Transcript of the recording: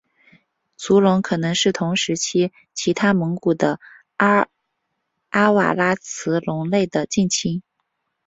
足龙可能是同时期其他蒙古的阿瓦拉慈龙类的近亲。